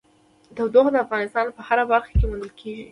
تودوخه د افغانستان په هره برخه کې موندل کېږي.